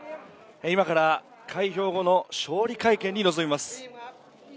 今から開票後の勝利会見に臨みます。